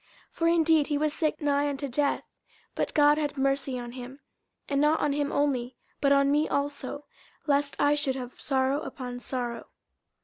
50:002:027 For indeed he was sick nigh unto death: but God had mercy on him; and not on him only, but on me also, lest I should have sorrow upon sorrow.